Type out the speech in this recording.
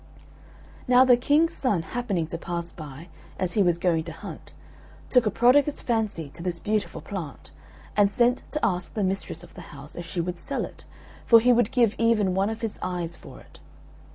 Now the King's son happening to pass by, as he was going to hunt, took a prodigious fancy to this beautiful plant, and sent to ask the mistress of the house if she would sell it, for he would give even one of his eyes for it.